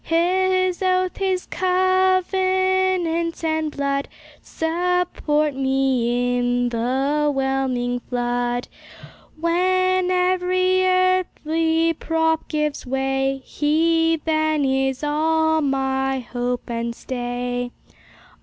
His oath, His covenant, and blood, Support me in the whelming flood; When every earthly prop gives way, He then is all my hope and stay.